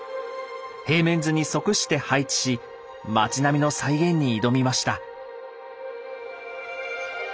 平面図に即して配置し町並みの再現に挑みました。